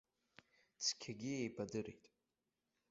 Цқьагьы еибадырит.